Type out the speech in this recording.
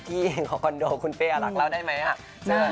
ที่ของคอนโดคุณเป๊อรักเล่าได้ไหมค่ะ